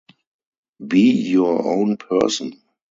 Be your own person.